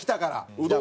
うどん。